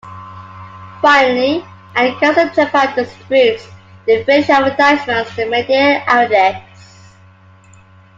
Finally, Ad Council Japan distributes the finished advertisements to media outlets.